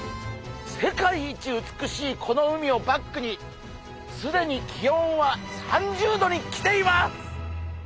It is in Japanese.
世界一美しいこの海をバックにすでに気温は３０℃に来ています！